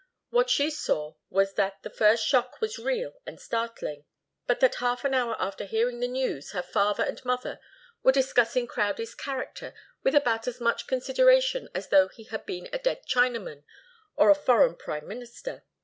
What she saw was that the first shock was real and startling, but that half an hour after hearing the news her father and mother were discussing Crowdie's character with about as much consideration as though he had been a dead Chinaman, or a foreign prime minister.